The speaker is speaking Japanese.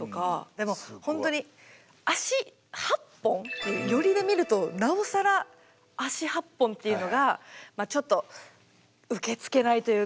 でも本当に脚８本寄りで見るとなおさら脚８本っていうのがまあちょっと受け付けないというか。